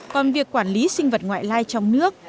còn việc quản lý sinh vật ngoại lai trong nước